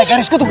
garis gue tuh